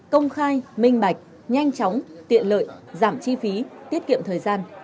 công khai minh bạch nhanh chóng tiện lợi giảm chi phí tiết kiệm thời gian